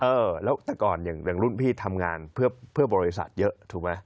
เออแล้วแต่ก่อนอย่างรุ่นพี่ทำงานเพื่อบริษัทเยอะถูกไหม